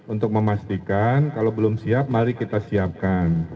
untuk memastikan kalau belum siap mari kita siapkan